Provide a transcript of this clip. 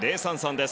です。